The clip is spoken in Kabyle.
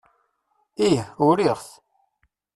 Ih, uriɣ-t.